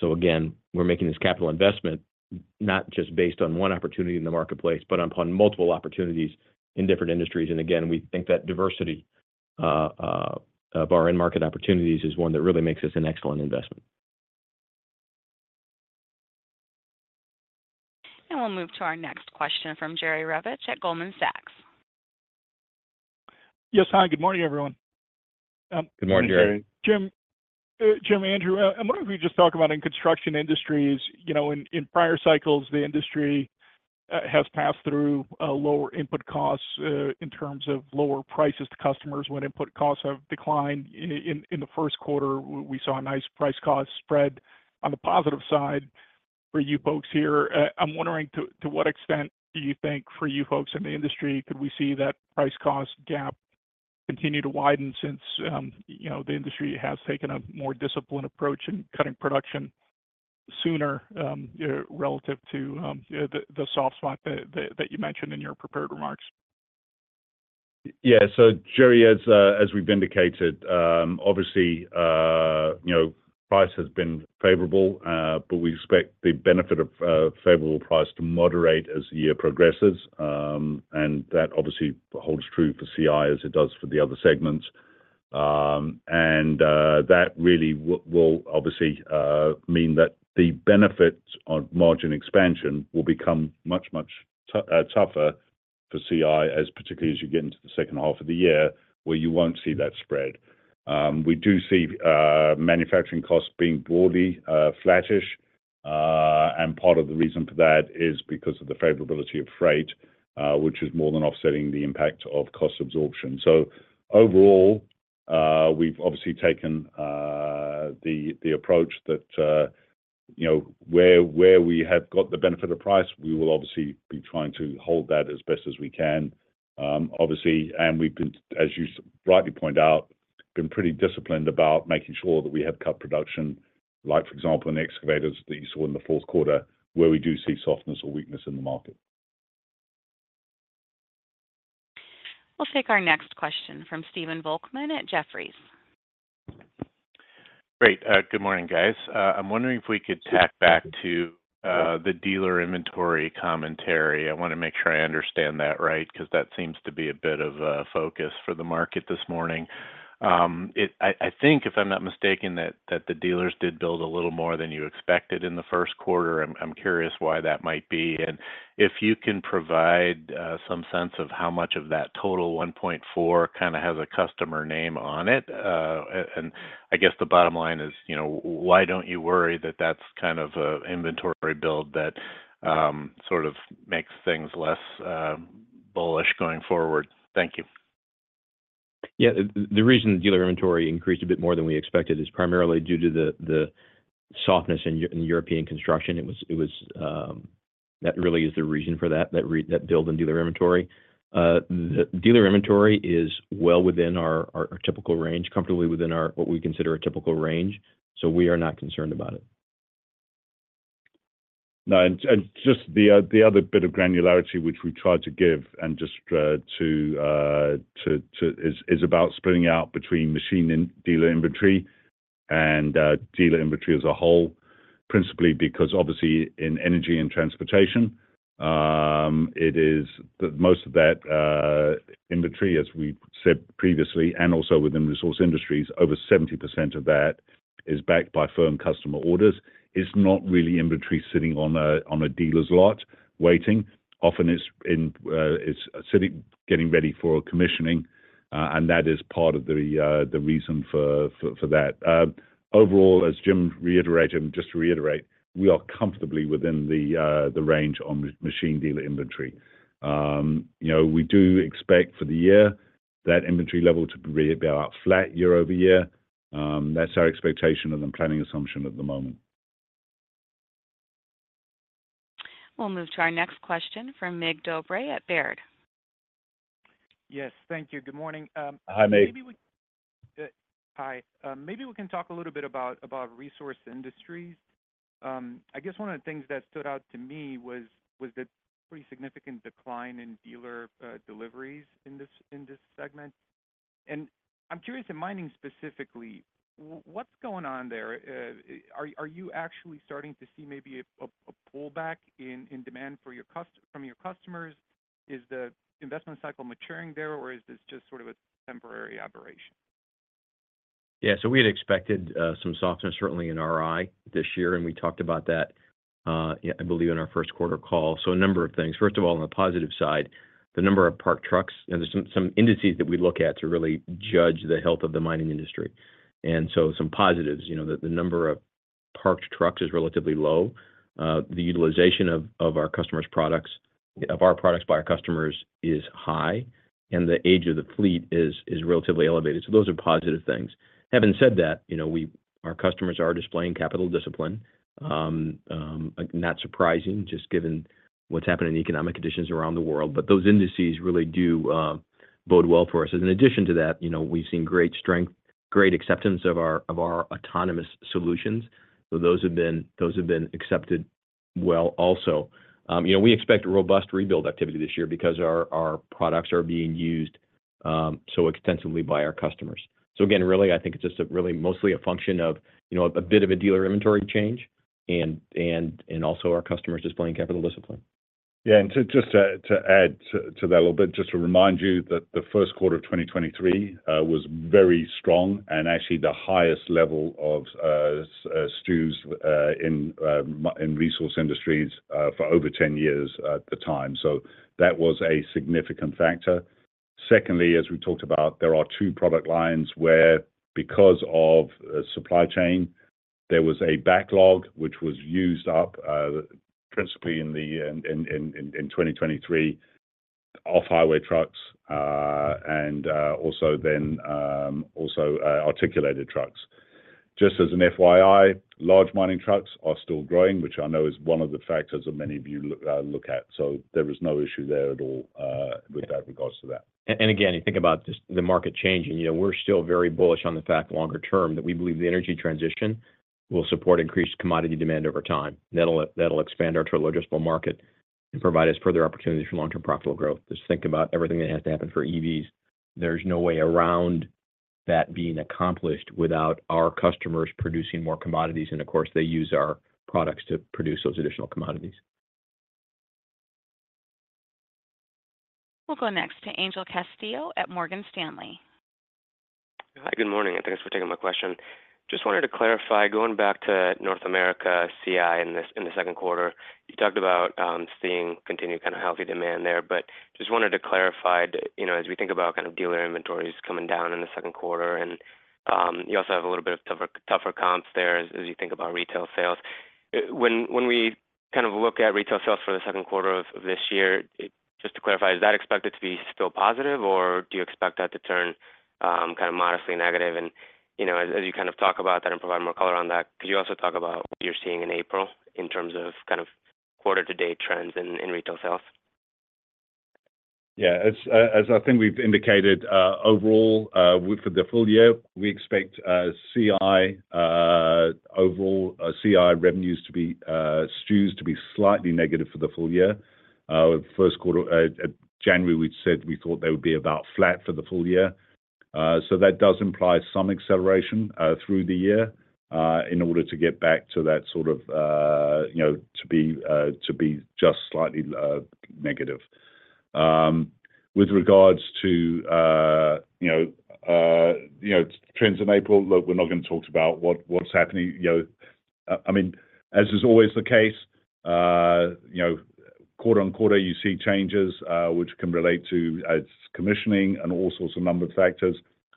So again, we're making this capital investment not just based on one opportunity in the marketplace, but upon multiple opportunities in different industries. And again, we think that diversity of our end-market opportunities is one that really makes us an excellent investment. And we'll move to our next question from Jerry Revich at Goldman Sachs. Yes, hi. Good morning, everyone. Good morning, Jerry. Jim, Andrew, I'm wondering if we could just talk about in construction industries, in prior cycles, the industry has passed through lower input costs in terms of lower prices to customers when input costs have declined. In the first quarter, we saw a nice price-cost spread on the positive side for you folks here. I'm wondering, to what extent do you think for you folks in the industry, could we see that price-cost gap continue to widen since the industry has taken a more disciplined approach in cutting production sooner relative to the soft spot that you mentioned in your prepared remarks? Yeah. So Jerry, as we've indicated, obviously, price has been favorable, but we expect the benefit of favorable price to moderate as the year progresses. And that obviously holds true for CI as it does for the other segments. And that really will obviously mean that the benefits on margin expansion will become much, much tougher for CI, particularly as you get into the second half of the year where you won't see that spread. We do see manufacturing costs being broadly flattish. Part of the reason for that is because of the favorability of freight, which is more than offsetting the impact of cost absorption. Overall, we've obviously taken the approach that where we have got the benefit of price, we will obviously be trying to hold that as best as we can, obviously. And we've been, as you rightly point out, pretty disciplined about making sure that we have cut production, like, for example, in the excavators that you saw in the fourth quarter where we do see softness or weakness in the market. We'll take our next question from Stephen Volkmann at Jefferies. Great. Good morning, guys. I'm wondering if we could take back to the dealer inventory commentary. I want to make sure I understand that right because that seems to be a bit of a focus for the market this morning. I think, if I'm not mistaken, that the dealers did build a little more than you expected in the first quarter. I'm curious why that might be. And if you can provide some sense of how much of that total 1.4 kind of has a customer name on it. And I guess the bottom line is, why don't you worry that that's kind of an inventory build that sort of makes things less bullish going forward? Thank you. Yeah. The reason dealer inventory increased a bit more than we expected is primarily due to the softness in European construction. That really is the reason for that build in dealer inventory. Dealer inventory is well within our typical range, comfortably within what we consider a typical range. So we are not concerned about it. No. And just the other bit of granularity which we tried to give and just to is about splitting out between machine dealer inventory and dealer inventory as a whole, principally because obviously, in energy and transportation, most of that inventory, as we said previously, and also within resource industries, over 70% of that is backed by firm customer orders. It's not really inventory sitting on a dealer's lot waiting. Often, it's sitting, getting ready for commissioning. And that is part of the reason for that. Overall, as Jim reiterated and just to reiterate, we are comfortably within the range on machine dealer inventory. We do expect for the year that inventory level to be about flat year-over-year. That's our expectation and the planning assumption at the moment. We'll move to our next question from Mig Dobre at Baird. Yes. Thank you. Good morning. Hi, Mig. Hi. Maybe we can talk a little bit about Resource Industries. I guess one of the things that stood out to me was the pretty significant decline in dealer deliveries in this segment. I'm curious, in mining specifically, what's going on there? Are you actually starting to see maybe a pullback in demand from your customers? Is the investment cycle maturing there, or is this just sort of a temporary aberration? Yeah. We had expected some softness, certainly in RI this year. We talked about that, I believe, in our first quarter call. A number of things. First of all, on the positive side, the number of parked trucks. There's some indices that we look at to really judge the health of the mining industry. So some positives, the number of parked trucks is relatively low. The utilization of our customers' products of our products by our customers is high. The age of the fleet is relatively elevated. Those are positive things. Having said that, our customers are displaying capital discipline. Not surprising, just given what's happening in economic conditions around the world. Those indices really do bode well for us. As an addition to that, we've seen great strength, great acceptance of our autonomous solutions. Those have been accepted well also. We expect robust rebuild activity this year because our products are being used so extensively by our customers. Again, really, I think it's just really mostly a function of a bit of a dealer inventory change and also our customers displaying capital discipline. Yeah. And just to add to that a little bit, just to remind you that the first quarter of 2023 was very strong and actually the highest level of STUs in Resource Industries for over 10 years at the time. So that was a significant factor. Secondly, as we talked about, there are two product lines where, because of supply chain, there was a backlog which was used up principally in 2023 off-highway trucks and also then also articulated trucks. Just as an FYI, large mining trucks are still growing, which I know is one of the factors that many of you look at. So there was no issue there at all with regard to that. And again, you think about just the market changing. We're still very bullish on the fact longer term that we believe the energy transition will support increased commodity demand over time. That'll expand our true logistical market and provide us further opportunities for long-term profitable growth. Just think about everything that has to happen for EVs. There's no way around that being accomplished without our customers producing more commodities. And of course, they use our products to produce those additional commodities. We'll go next to Angel Castillo at Morgan Stanley. Hi. Good morning. Thanks for taking my question. Just wanted to clarify, going back to North America CI in the second quarter, you talked about seeing continue kind of healthy demand there. But just wanted to clarify, as we think about kind of dealer inventories coming down in the second quarter, and you also have a little bit of tougher comps there as we think about retail sales. When we kind of look at retail sales for the second quarter of this year, just to clarify, is that expected to be still positive, or do you expect that to turn kind of modestly negative? And as you kind of talk about that and provide more color on that, could you also talk about what you're seeing in April in terms of kind of quarter-to-date trends in retail sales? Yeah. As I think we've indicated, overall, for the full year, we expect overall CI revenues to be STUs to be slightly negative for the full year. At January, we'd said we thought they would be about flat for the full year. So that does imply some acceleration through the year in order to get back to that sort of to be just slightly negative. With regards to trends in April, look, we're not going to talk about what's happening. I mean, as is always the case, quarter-over-quarter, you see changes which can relate to commissioning and all sorts of number of factors.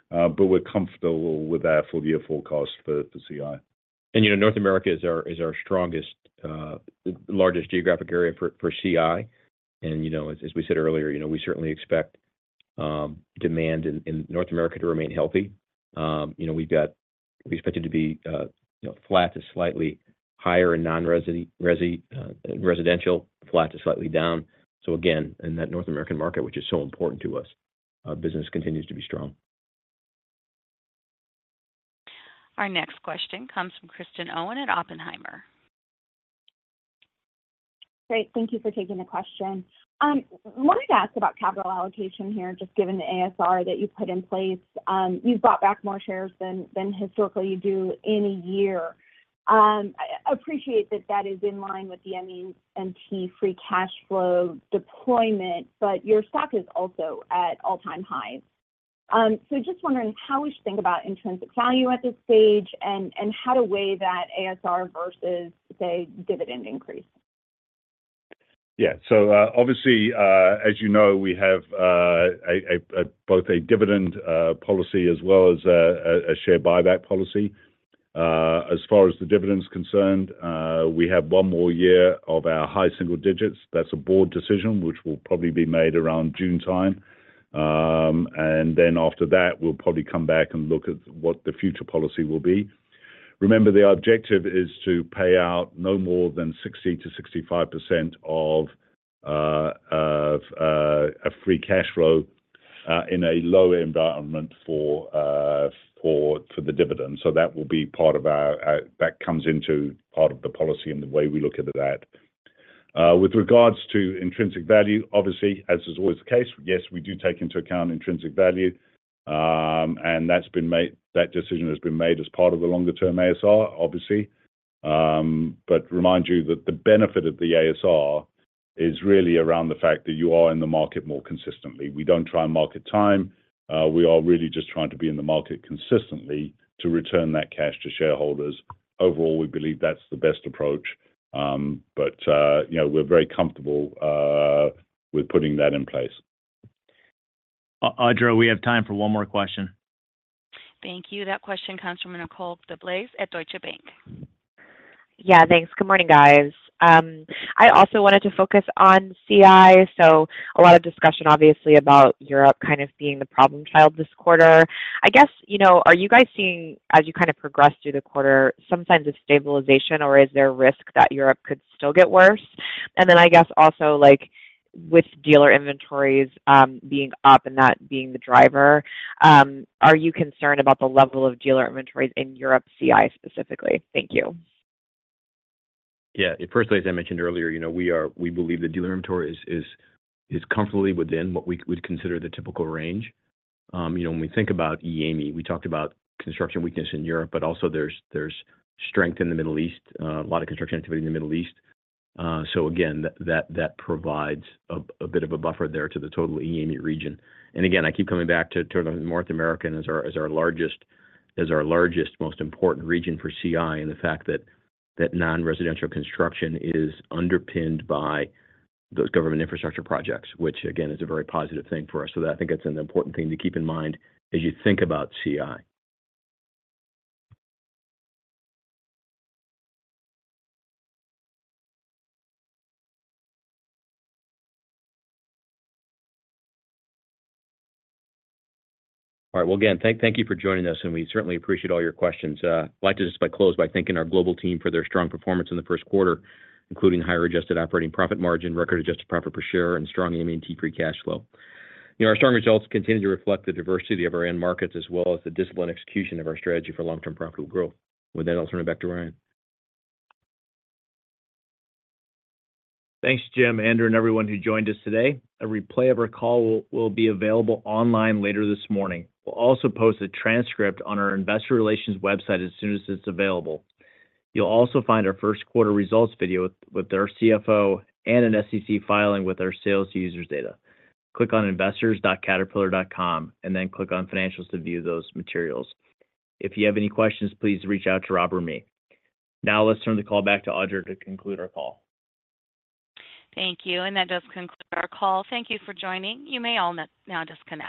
But we're comfortable with our full-year forecast for CI. North America is our strongest, largest geographic area for CI. And as we said earlier, we certainly expect demand in North America to remain healthy. We've expected it to be flat to slightly higher in non-residential, flat to slightly down. So again, in that North American market, which is so important to us, business continues to be strong. Our next question comes from Kristen Owen at Oppenheimer. Great. Thank you for taking the question. I wanted to ask about capital allocation here, just given the ASR that you put in place. You've bought back more shares than historically you do in a year. I appreciate that that is in line with the ME&T free cash flow deployment, but your stock is also at all-time highs. So just wondering how we should think about intrinsic value at this stage and how to weigh that ASR versus, say, dividend increase. Yeah. So obviously, as you know, we have both a dividend policy as well as a share buyback policy. As far as the dividend's concerned, we have one more year of our high single digits. That's a board decision which will probably be made around June time. And then after that, we'll probably come back and look at what the future policy will be. Remember, the objective is to pay out no more than 60%-65% of free cash flow in a low environment for the dividend. So that will be part of our that comes into part of the policy and the way we look at that. With regards to intrinsic value, obviously, as is always the case, yes, we do take into account intrinsic value. That decision has been made as part of the longer-term ASR, obviously. But remind you that the benefit of the ASR is really around the fact that you are in the market more consistently. We don't try and market time. We are really just trying to be in the market consistently to return that cash to shareholders. Overall, we believe that's the best approach. But we're very comfortable with putting that in place. Audra, we have time for one more question. Thank you. That question comes from Nicole DeBlase at Deutsche Bank. Yeah. Thanks. Good morning, guys. I also wanted to focus on CI. So a lot of discussion, obviously, about Europe kind of being the problem child this quarter. I guess, are you guys seeing, as you kind of progress through the quarter, some signs of stabilization, or is there risk that Europe could still get worse? And then I guess also, with dealer inventories being up and that being the driver, are you concerned about the level of dealer inventories in Europe CI specifically? Thank you. Yeah. Firstly, as I mentioned earlier, we believe that dealer inventory is comfortably within what we would consider the typical range. When we think about EAME, we talked about construction weakness in Europe, but also there's strength in the Middle East, a lot of construction activity in the Middle East. So again, that provides a bit of a buffer there to the total EAME region. And again, I keep coming back to North America as our largest, most important region for CI and the fact that non-residential construction is underpinned by those government infrastructure projects, which, again, is a very positive thing for us. So I think that's an important thing to keep in mind as you think about CI. All right. Well, again, thank you for joining us. And we certainly appreciate all your questions. I'd like to just close by thanking our global team for their strong performance in the first quarter, including higher Adjusted operating profit margin, record Adjusted profit per share, and strong ME&T free cash flow. Our strong results continue to reflect the diversity of our end markets as well as the disciplined execution of our strategy for long-term profitable growth. With that, I'll turn it back to Ryan. Thanks, Jim Andrew, and everyone who joined us today.A replay of our call will be available online later this morning. We'll also post a transcript on our investor relations website as soon as it's available. You'll also find our first quarter results video with our CFO and an SEC filing with our sales to users data. Click on investors.caterpillar.com and then click on financials to view those materials. If you have any questions, please reach out to Rob or me. Now let's turn the call back to Audra to conclude our call. Thank you. And that does conclude our call. Thank you for joining. You may all now disconnect.